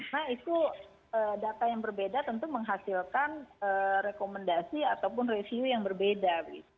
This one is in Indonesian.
nah itu data yang berbeda tentu menghasilkan rekomendasi ataupun review yang berbeda